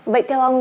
vậy theo ông